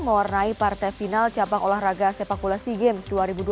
mewarnai partai final capang olahraga sepakulasi games dua ribu dua puluh tiga